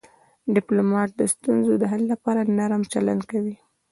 ډيپلومات د ستونزو د حل لپاره نرم چلند کوي.